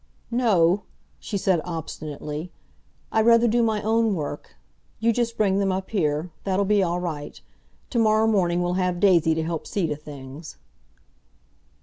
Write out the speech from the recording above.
"No," she said obstinately. "I'd rather do my own work. You just bring them up here—that'll be all right. To morrow morning we'll have Daisy to help see to things."